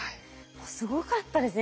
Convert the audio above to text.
もうすごかったですね